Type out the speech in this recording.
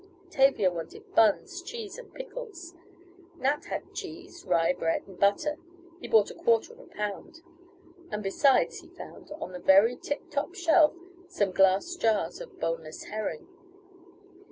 Tavia wanted buns, cheese and pickles. Nat had cheese, rye bread and butter (he bought a quarter of a pound) and besides he found, on the very tip top shelf, some glass jars of boneless herring.